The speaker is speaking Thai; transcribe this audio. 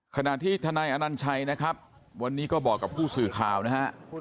ขณะที่ทนายอนัญชัยนะครับวันนี้ก็บอกกับผู้สื่อข่าวนะฮะ